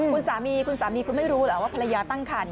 คุณสามีคุณสามีคุณไม่รู้เหรอว่าภรรยาตั้งคัน